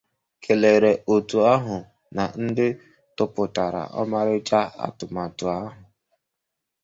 kèlèrè òtù ahụ na ndị tụpụtara ọmarịcha atụmatụ ahụ